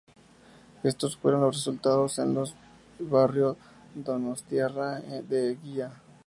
Estos fueron los resultados en el barrio donostiarra de Eguía.